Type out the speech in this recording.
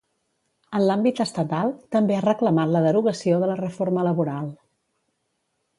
En l'àmbit estatal, també ha reclamat la derogació de la reforma laboral.